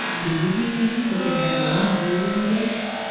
Do you believe he can have any view in this?